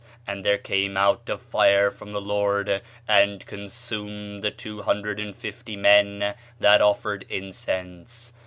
And there came out a fire from the Lord, and consumed the two hundred and fifty men that offered incense....